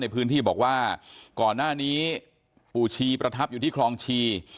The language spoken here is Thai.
พื้นที่บอกว่าก่อนหน้านี้ปู่ชีประทับอยู่ที่คลองชี